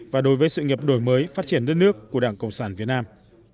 và đối với sự nghiệp đổi mới phát triển đất nước của đảng cộng sản việt nam